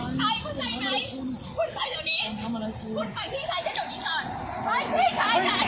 คุณไปตอนนี้คุณไปพี่ชายฉันตอนนี้ก่อน